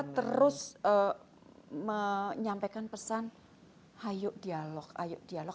terus menyampaikan pesan ayo dialog